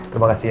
terima kasih ya